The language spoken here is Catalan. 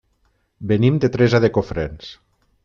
Venim de Teresa de Cofrents.